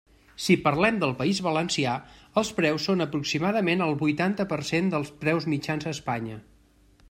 Si parlem del País Valencià, els preus són aproximadament el huitanta per cent dels preus mitjans a Espanya.